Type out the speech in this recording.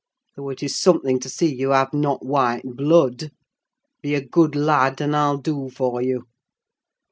Though it is something to see you have not white blood. Be a good lad; and I'll do for you.